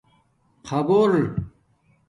خَآبُو